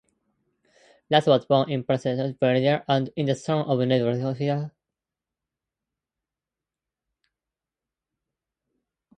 Russ was born in Portsmouth, Virginia, and is the son of a naval officer.